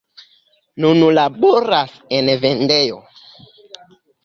Nun laboras en vendejo.